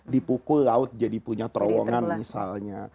dipukul laut jadi punya terowongan misalnya